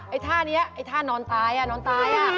ท่านี้ไอ้ท่านอนตายนอนตาย